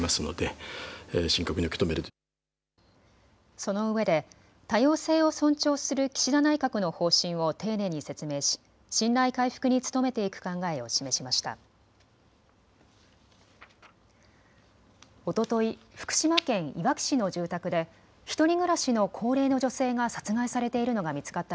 そのうえで多様性を尊重する岸田内閣の方針を丁寧に説明し信頼回復に努めていく考えを示しました。